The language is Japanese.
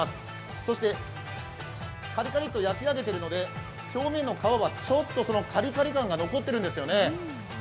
そして、カリカリッと焼き上げているので表面の皮はそのカリカリ感が残ってるんですよね。